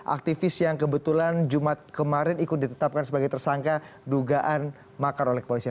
aktivis yang kebetulan jumat kemarin ikut ditetapkan sebagai tersangka dugaan makar oleh kepolisian